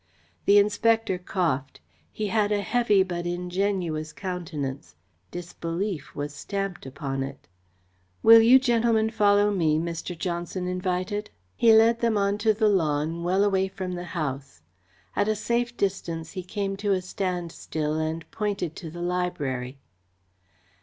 The inspector coughed. He had a heavy but ingenuous countenance. Disbelief was stamped upon it. "Will you gentlemen follow me?" Mr. Johnson invited. He led them on to the lawn, well away from the house. At a safe distance he came to a standstill and pointed to the library.